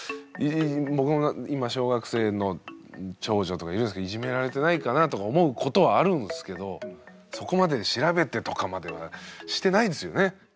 僕も今小学生の長女とかいるんですけどいじめられてないかなとか思うことはあるんですけどそこまで調べてとかまではしてないですよね。